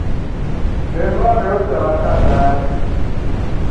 Bemba reocha raka tayari